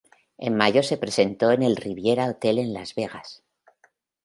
En mayo se presentó en el Riviera Hotel en Las Vegas.